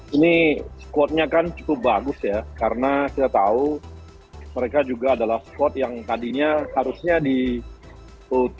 ini squadnya kan cukup bagus ya karena kita tahu mereka juga adalah squad yang tadinya harusnya di u tujuh belas